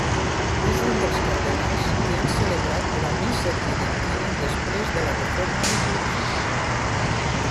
És un dels cardenals que han celebrat la missa tridentina després de la reforma litúrgica.